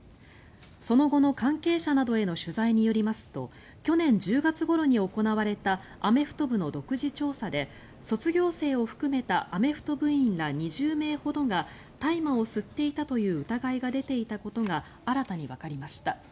その後の関係者などへの取材によりますと去年１０月ごろに行われたアメフト部の独自調査で卒業生を含めたアメフト部員ら２０名ほどが大麻を吸っていたという疑いが出ていたことが新たにわかりました。